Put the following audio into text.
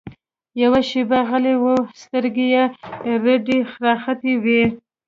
يوه شېبه غلى و سترګې يې رډې راختلې وې.